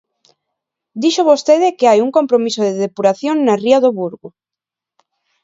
Dixo vostede que hai un compromiso de depuración na ría do Burgo.